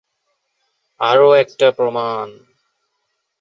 আরও একটা প্রমাণ।